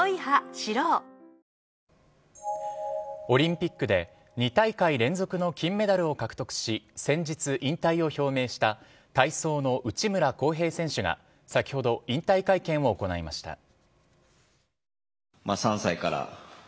オリンピックで２大会連続の金メダルを獲得し先日、引退を表明した体操の内村航平選手が先ほど、引退会見を行いました。